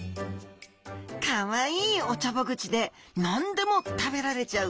かわいいおちょぼ口で何でも食べられちゃう